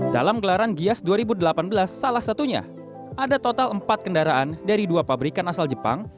dalam gelaran gias dua ribu delapan belas salah satunya ada total empat kendaraan dari dua pabrikan asal jepang